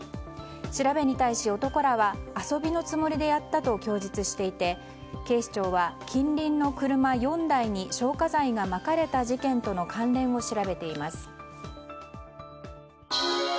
調べに対し、男らは遊びのつもりでやったと供述していて警視庁は近隣の車４台に消火剤がまかれた事件との関連を調べています。